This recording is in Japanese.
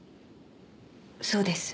そうです。